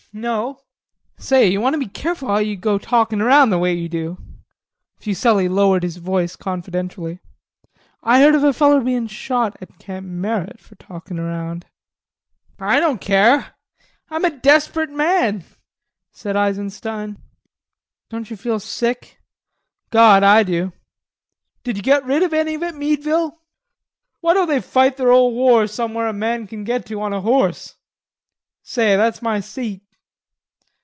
"No. Say, you want to be careful how you go talkin' around the way you do." Fuselli lowered his voice confidentially. "I heard of a feller bein' shot at Camp Merritt for talkin' around." "I don't care.... I'm a desperate man," said Eisenstein. "Don't ye feel sick? Gawd, I do.... Did you get rid o' any of it, Meadville?" "Why don't they fight their ole war somewhere a man can get to on a horse?... Say that's my seat."